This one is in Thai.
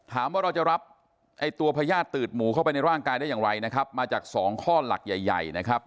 เราจะรับไอ้ตัวพญาติตืดหมูเข้าไปในร่างกายได้อย่างไรนะครับมาจากสองข้อหลักใหญ่ใหญ่นะครับ